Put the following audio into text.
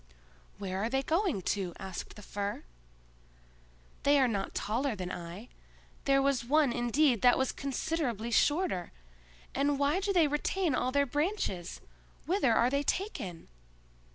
"Where are they going to?" asked the Fir. "They are not taller than I; there was one indeed that was considerably shorter;—and why do they retain all their branches? Whither are they taken?"